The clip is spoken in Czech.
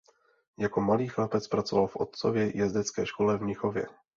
Jako malý chlapec pracoval v otcově jezdecké škole v Mnichově.